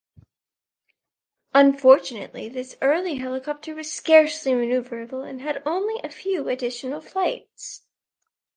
Unfortunately this early helicopter was scarcely maneuverable and had only a few additional flights.